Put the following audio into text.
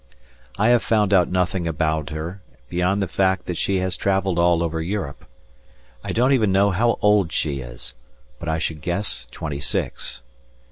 I have found out nothing about her beyond the fact that she has travelled all over Europe. I don't even know how old she is, but I should guess twenty six.